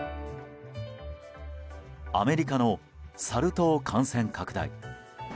アメリカのサル痘感染拡大。